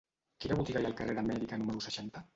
Quina botiga hi ha al carrer d'Amèrica número seixanta?